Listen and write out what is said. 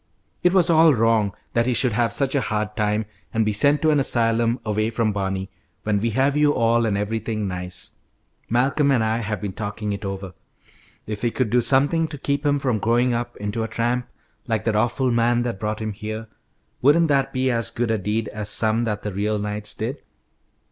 It was all wrong that he should have such a hard time and be sent to an asylum away from Barney, when we have you all and everything nice. Malcolm and I have been talking it over. If we could do something to keep him from growing up into a tramp like that awful man that brought him here, wouldn't that be as good a deed as some that the real knights did?